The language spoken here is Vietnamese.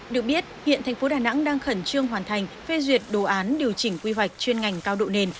được biết hiện thành phố đà nẵng đang khẩn trương hoàn thành phê duyệt đồ án điều chỉnh quy hoạch chuyên ngành cao độ nền